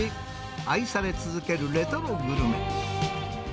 愛され続けるレトログルメ。